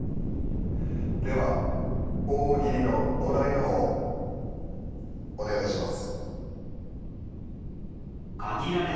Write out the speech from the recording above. では大喜利のお題の方お願いします。